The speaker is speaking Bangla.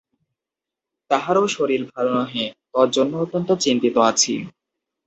তাঁহারও শরীর ভাল নহে, তজ্জন্য অত্যন্ত চিন্তিত আছি।